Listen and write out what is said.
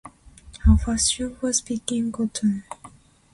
Her first job was picking cotton.